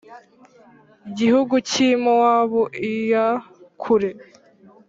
Gihugu cy i mowabu iya kure